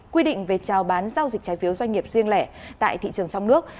quy định về trào bán giao dịch trái phiếu doanh nghiệp riêng lẻ tại thị trường trong nước